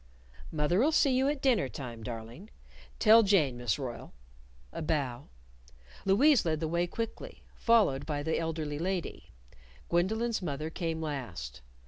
"Mother'll see you at dinnertime, darling. Tell Jane, Miss Royle." A bow. Louise led the way quickly, followed by the elderly lady. Gwendolyn's mother came last.